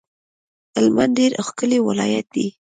هلمند ډیر ښکلی ولایت دی